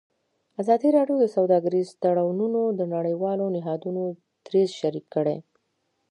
ازادي راډیو د سوداګریز تړونونه د نړیوالو نهادونو دریځ شریک کړی.